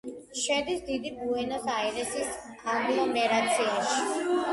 შედის დიდი ბუენოს-აირესის აგლომერაციაში.